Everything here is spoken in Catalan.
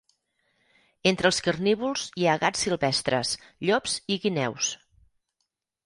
Entre els carnívors hi ha gats silvestres llops i guineus.